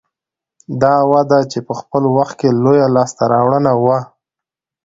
دا وده چې په خپل وخت کې لویه لاسته راوړنه وه